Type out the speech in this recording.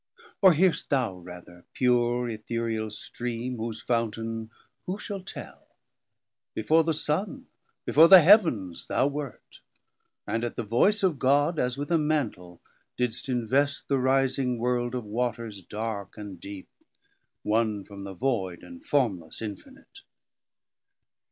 Or hear'st thou rather pure Ethereal stream, Whose Fountain who shall tell? before the Sun, Before the Heavens thou wert, and at the voice Of God, as with a Mantle didst invest 10 The rising world of waters dark and deep, Won from the void and formless infinite.